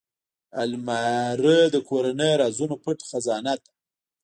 الماري د کورنۍ رازونو پټ خزانه ده